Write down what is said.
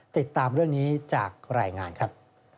ติดตามเรื่องนี้จากรายงานครับ